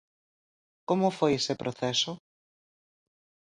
Como foi ese proceso?